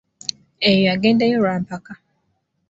Eyo yagendayo lwa mpaka.